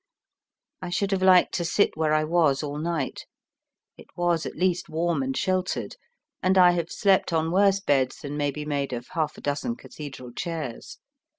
I should have liked to sit where I was all night. It was at least warm and sheltered, and I have slept on worse beds than may be made of half a dozen Cathedral chairs.